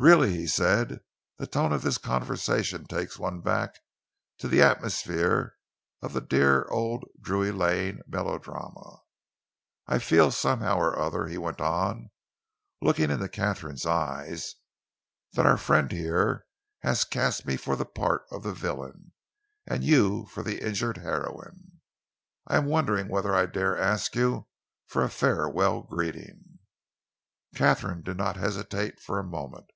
"Really," he said, "the tone of this conversation takes one back to the atmosphere of the dear old Drury Lane melodrama. I feel, somehow or other," he went on, looking into Katharine's eyes, "that our friend here has cast me for the part of the villain and you for the injured heroine. I am wondering whether I dare ask you for a farewell greeting?" Katharine did not hesitate for a moment.